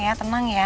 ya tenang ya